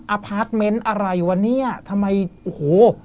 พาร์ทเมนต์อะไรวะเนี่ยทำไมโอ้โห